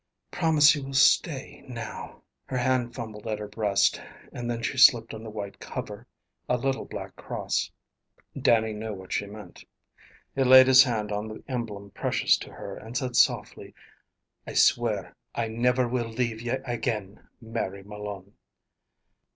"Promise you will stay now." Her hand fumbled at her breast, and then she slipped on the white cover a little black cross. Dannie knew what she meant. He laid his hand on the emblem precious to her, and said softly, "I swear I never will leave ye again, Mary Malone."